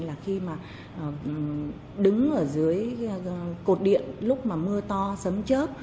là khi mà đứng ở dưới cột điện lúc mà mưa to sấm chớp